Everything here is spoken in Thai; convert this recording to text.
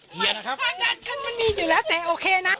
เพราะงานฉันมันมีอยู่แล้วแต่โอเคนะ